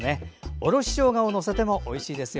おろししょうがを載せてもおいしいですよ。